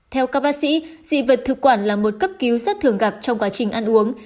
theo các bác sĩ dị vật thực quản là một cấp cứu rất thường gặp trong quá trình ăn uống